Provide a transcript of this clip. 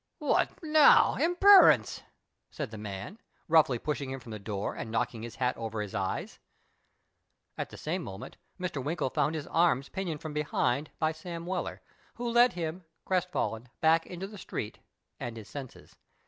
" What now, impcrencc," said the man, roughly pushing him from the door and knocking his hut over his eyes. r.r. 49 B PASTICHE AND PREJUDICE At the same moment Mr. Winkle found his arms pinioned from behind by Sam Weller, who led him, crestfallen, back into the street and his senses.